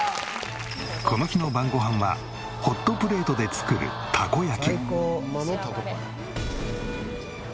この日の晩ご飯はホットプレートで作るたこ焼き。